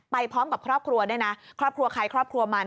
พร้อมกับครอบครัวด้วยนะครอบครัวใครครอบครัวมัน